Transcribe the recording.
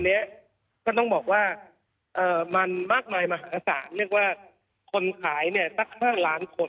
เพราะฉะนั้นก็ต้องบอกว่ามันมากมายมหาศาลเรียกว่าคนขายตั๊ก๕ล้านคน